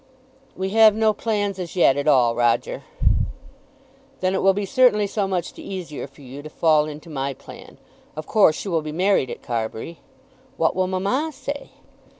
"We have no plans as yet at all, Roger." "Then it will be certainly so much the easier for you to fall into my plan. Of course you will be married at Carbury?" "What will mamma say?"